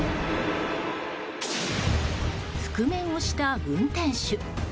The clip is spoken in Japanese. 覆面をした運転手。